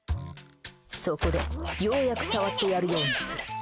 そこで、ようやく触ってやるようにする。